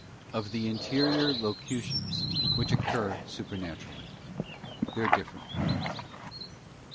Of the interior Locutions which occur supernaturally. Their different kinds.